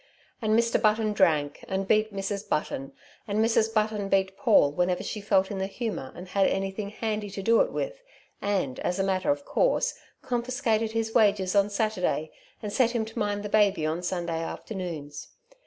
And Mr. Button drank, and beat Mrs. Button, and Mrs. Button beat Paul whenever she felt in the humour and had anything handy to do it with, and, as a matter of course, confiscated his wages on Saturday and set him to mind the baby on Sunday afternoons.